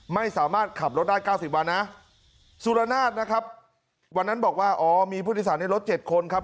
ไม่สามารถขับรถได้๙๐วันนะสุรนาธิ์นะครับวันนั้นบอกว่าอ๋อมีผู้นิสัยในรถ๗คนครับ